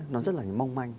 nó rất là mong manh